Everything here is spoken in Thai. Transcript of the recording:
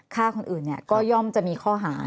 ฆ่าคนอื่นก็ย่อมจะมีข้อหา